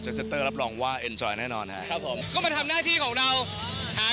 จะรับรองว่าแน่นอนฮะครับผมก็มาทำหน้าที่ของเราหา